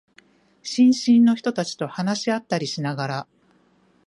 新進の人たちと話し合ったりしながら、